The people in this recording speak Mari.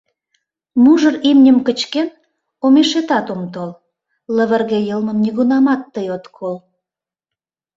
Мужыр имньым кычкен, омешетат ом тол, Лывырге йылмым нигунам тый от кол.